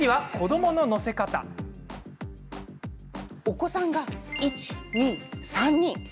お子さんが１、２、３人。